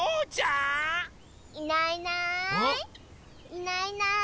いないいない。